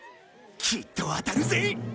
きっと当たるぜ！